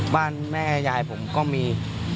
บ้านแม่ยายผมก็มี